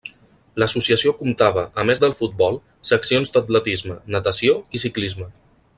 L'Associació comptava, a més del futbol, seccions d'atletisme, natació i ciclisme.